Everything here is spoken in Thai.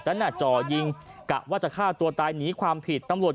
นั้นน่ะจ่อยิงกะว่าจะฆ่าตัวตายหนีความผิดตำรวจ